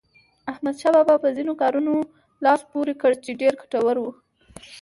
احمدشاه بابا په ځینو کارونو لاس پورې کړ چې ډېر ګټور وو.